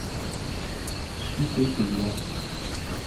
Qui c'est celui-là ?